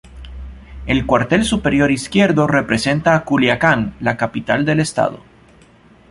El cuartel superior izquierdo representa a Culiacán, la capital del estado.